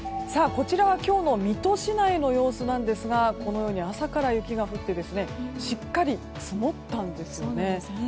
こちらは今日の水戸市内の様子なんですがこのように朝から雪が降ってしっかり積もったんですよね。